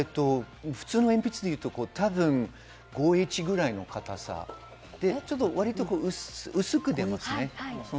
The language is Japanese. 普通の鉛筆でいうと多分、５Ｈぐらいの硬さで割と薄く出ますね。